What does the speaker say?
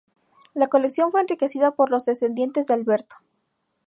La colección fue enriquecida por los descendientes de Alberto.